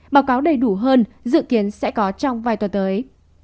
báo cáo đầy đủ hơn dự kiến sẽ có trong vài tuần tới